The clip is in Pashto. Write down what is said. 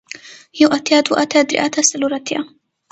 يو اتيا دوه اتيا درې اتيا څلور اتيا